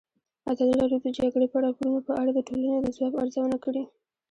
ازادي راډیو د د جګړې راپورونه په اړه د ټولنې د ځواب ارزونه کړې.